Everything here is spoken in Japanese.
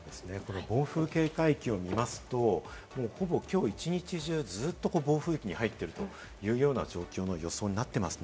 暴風警戒域を見ますと、ほぼきょう一日中ずっと暴風域に入っているというような状況の予想になっています。